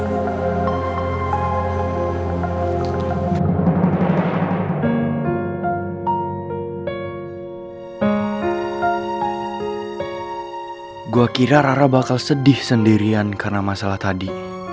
gue kira rara bakal sedih sendirian karena masalah tadi